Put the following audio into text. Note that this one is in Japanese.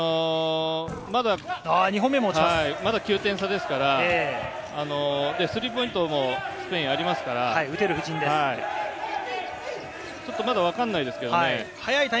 まだ９点差ですから、スペインは９ポイントありますから、ちょっとまだ分かんないですね。